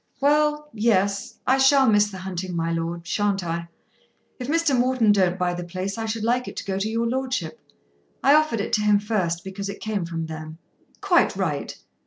"Well; yes. I shall miss the hunting, my lord, shan't I? If Mr. Morton don't buy the place I should like it to go to your lordship. I offered it to him first because it came from them." "Quite right.